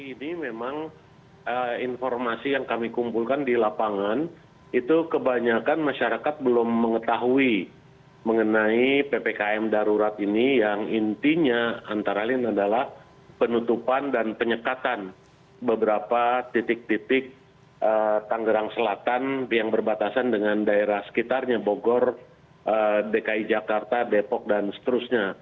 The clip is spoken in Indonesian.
ini memang informasi yang kami kumpulkan di lapangan itu kebanyakan masyarakat belum mengetahui mengenai ppkm darurat ini yang intinya antara lain adalah penutupan dan penyekatan beberapa titik titik tanggerang selatan yang berbatasan dengan daerah sekitarnya bogor dki jakarta depok dan seterusnya